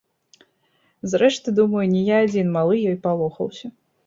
Зрэшты, думаю, не я адзін малы ёй палохаўся.